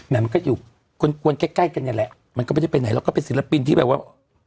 น้ำก็อยู่ไกลกันน่ะแหละมันก็ไม่ได้ไปไหนเราก็เป็นศิลปินที่แบบว่า